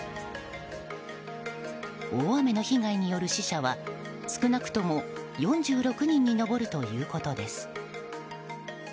大雨の被害による死者は少なくとも４６人に上るということです。